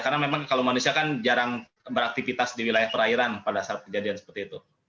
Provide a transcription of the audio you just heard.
karena memang kalau manusia kan jarang beraktivitas di wilayah perairan pada saat kejadian seperti itu